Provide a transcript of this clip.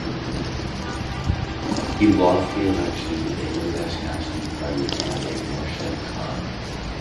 He lost the election to Bangladesh Nationalist Party candidate Morshed Khan.